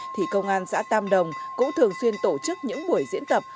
thì công an xã tam đồng cũng thường xuyên tổ chức những buổi diễn tập